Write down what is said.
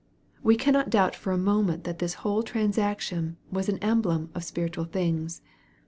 We cannot doubt for a moment that this whole transaction was an emblem of spiritual things.